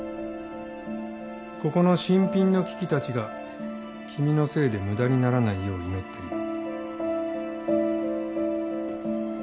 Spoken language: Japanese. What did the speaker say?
ここの新品の機器たちが君のせいで無駄にならないよう祈ってるよ。